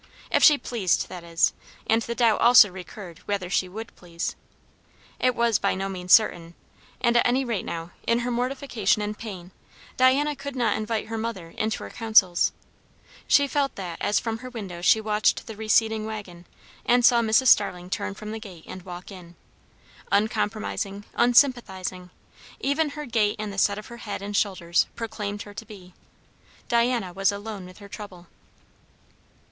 If she pleased, that is; and the doubt also recurred, whether she would please. It was by no means certain; and at any rate now, in her mortification and pain, Diana could not invite her mother into her counsels. She felt that as from her window she watched the receding waggon, and saw Mrs. Starling turn from the gate and walk in. Uncompromising, unsympathizing, even her gait and the set of her head and shoulders proclaimed her to be. Diana was alone with her trouble.